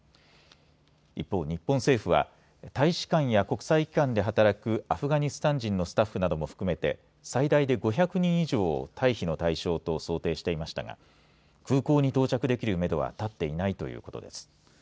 一方、日本政府は、大使館や国際機関で働くアフガニスタン人のスタッフなども含めて、最大で５００人以上を退避の対象と想定していましたが、空港に到着できるメドは立っていないということです。